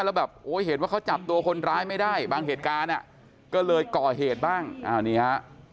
แล้วแบบโอ้เห็นว่าเขาจับตัวคนร้ายไม่ได้บางเหตุการณ์อ่ะก็เลยก่อเหตุบ้างอ่านี่ฮะ